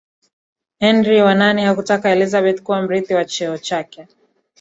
henry wa nane hakutaka elizabeth kuwa mrithi wa cheo chake